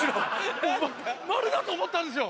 マルだと思ったんですよ。